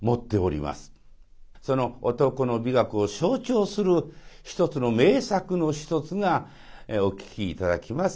その男の美学を象徴する一つの名作の一つがお聴き頂きます